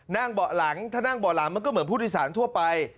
เบาะหลังถ้านั่งเบาะหลังมันก็เหมือนผู้โดยสารทั่วไป